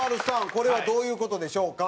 これはどういう事でしょうか？